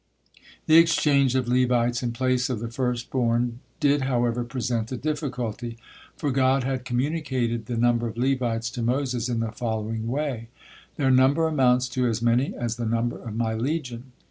The exchange of Levites in place of the first born did, however, present a difficulty. For God had communicated the number of Levites to Moses in the following way: "Their number amounts to as many as the number of My legion."